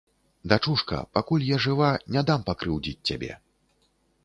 Дачушка, пакуль я жыва, не дам пакрыўдзіць цябе.